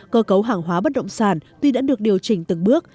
cơ cấu hàng hóa bất động sản tuy đã được điều chỉnh từng bước